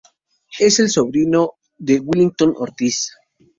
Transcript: Es el sobrino de Willington Ortiz.